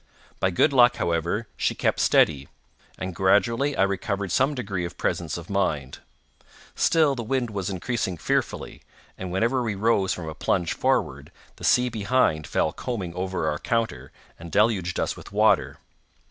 By good luck, however, she kept steady, and gradually I recovered some degree of presence of mind. Still the wind was increasing fearfully, and whenever we rose from a plunge forward, the sea behind fell combing over our counter, and deluged us with water.